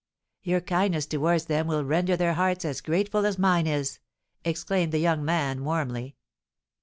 "Your kindness towards them will render their hearts as grateful as mine is," exclaimed the young man warmly.